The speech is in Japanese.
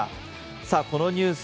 さあ、このニュース